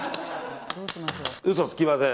嘘つきません。